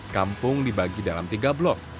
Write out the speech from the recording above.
kampung dibagi dalam tiga blok